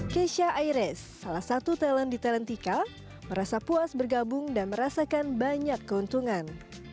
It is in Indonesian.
keisha aires salah satu talent di talentica merasa puas bergabung dan merasakan banyak keuntungan